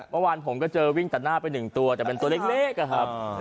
ประมาณผมก็เจอวิ่งตัดหน้าเป็นหนึ่งตัวแต่มันตัวเล็กนะครับ